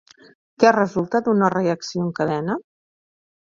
Què resulta d'una reacció en cadena?